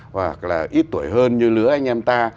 hoặc là ít tuổi hơn như lứa anh em ta